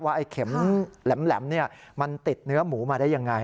ไอ้เข็มแหลมมันติดเนื้อหมูมาได้ยังไง